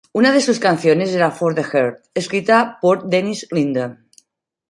Una de sus canciones era "For the Heart", escrita por by Dennis Linde.